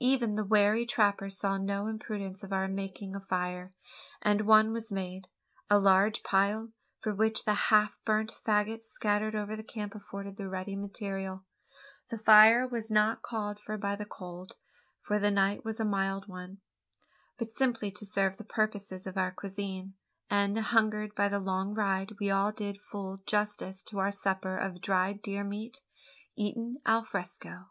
Even the wary trapper saw no imprudence in our making a fire, and one was made a large pile, for which the half burnt faggots scattered over the camp afforded the ready material. The fire was not called for by the cold for the night was a mild one but simply to serve the purposes of our cuisine; and, hungered by the long ride, we all did full justice to our supper of dried deer meat, eaten alfresco.